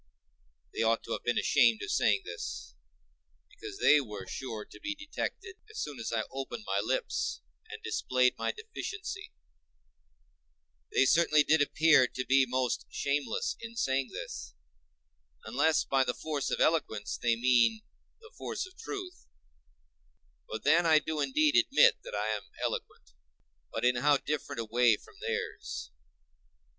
They ought to have been ashamed of saying this, because they were sure to be detected as soon as I opened my lips and displayed my deficiency; they certainly did appear to be most shameless in saying this, unless by the force of eloquence they mean the force of truth: for then I do indeed admit that I am eloquent. But in how different a way from theirs!